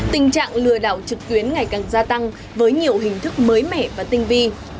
tình trạng lừa đảo trực tuyến ngày càng gia tăng với nhiều hình thức mới mẻ và tinh vi